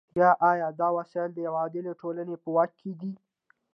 یا آیا دا وسایل د یوې عادلې ټولنې په واک کې دي؟